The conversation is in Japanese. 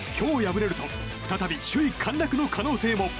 今日敗れると再び首位陥落の可能性も。